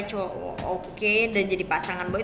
coba diulangi sekali